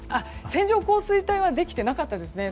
線状降水帯はできていなかったですね。